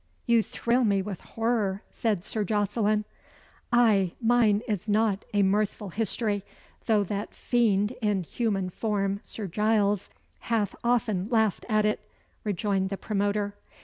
"You thrill me with horror," said Sir Jocelyn. "Ay, mine is not a mirthful history, though that fiend in human form, Sir Giles, hath often laughed at it," rejoined the promoter.